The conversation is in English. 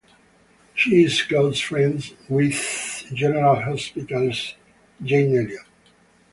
She is close friends with "General Hospital"'s Jane Elliot.